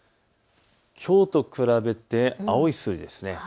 きょうと比べて青い数字ですね。